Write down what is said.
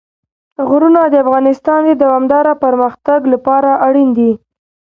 غرونه د افغانستان د دوامداره پرمختګ لپاره اړین دي.